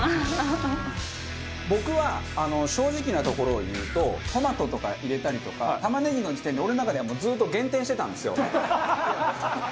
僕は正直なところを言うとトマトとか入れたりとか玉ねぎの時点で俺の中ではもうずっと減点してたんですよ。